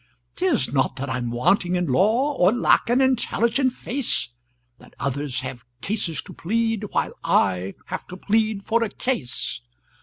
"'Tis not that I'm wanting in law, Or lack an intelligent face, That others have cases to plead, While I have to plead for a case.